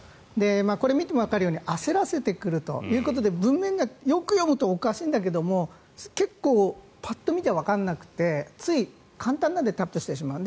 これを見てもわかるように焦らせてくるということで文面がよく読むとおかしいんだけど結構、パッと見じゃわからなくてつい簡単なのでタップしてしまう。